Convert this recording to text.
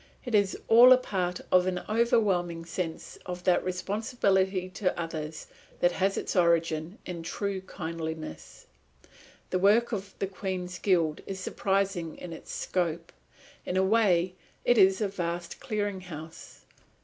It is all a part of an overwhelming sense of that responsibility to others that has its origin in true kindliness. The work of the Queen's Guild is surprising in its scope. In a way it is a vast clearing house.